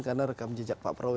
karena rekam jejak pak prabowo